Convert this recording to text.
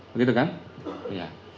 begitu kan ya